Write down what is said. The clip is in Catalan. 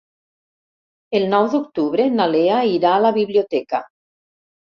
El nou d'octubre na Lea irà a la biblioteca.